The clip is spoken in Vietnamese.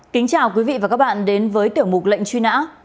kính chào quý vị và các bạn đến với tiểu mục lệnh truy nã